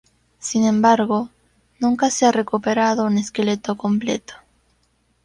Sin embargo, nunca se ha recuperado un esqueleto completo.